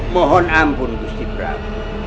mohon ampun gusti brahm